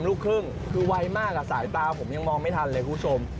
ลูกครึ่งคือไวมากสายตาผมยังมองไม่ทันเลยคุณผู้ชม